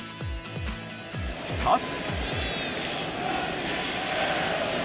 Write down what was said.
しかし。